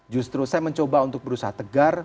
justru saya mencoba untuk berusaha tegar